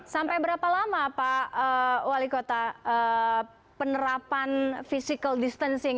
sampai berapa lama pak wali kota penerapan physical distancing